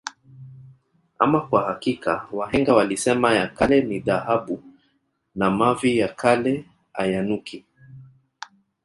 Ama kwa hakika wahenga walisema ya kale ni dhahabu na mavi ya kale ayanuki